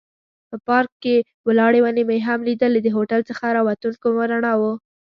په پارک کې ولاړې ونې مې هم لیدلې، د هوټل څخه را وتونکو رڼاوو.